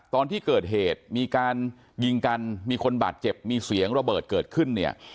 ตอนที่เกิดเหตุมีการยิงกันมีคนบาดเจ็บมีเสียงระเบิดเกิดขึ้นเนี่ย